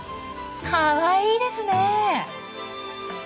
かわいいですねえ。